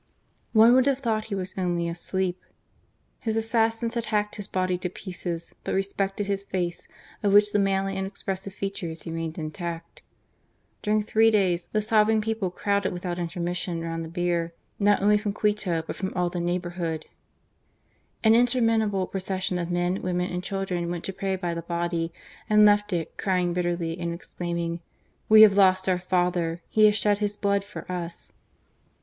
One would have thought he was only asleep. His assassins had hacked his body to pieces, but respected his face, of which the manly and expres sive features remained intact. During three days the sobbing people crowded without intermission round the bier, not only from Quito, but from all the THE MOURNING. 305 neighbourhood. An interminable procession of men, women, and children went to pray by the body, and left it, crying bitterly, and exclaiming :" We have lost our father ! He has shed his blood for us